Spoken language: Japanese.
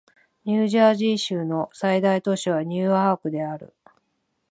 ニュージャージー州の最大都市はニューアークである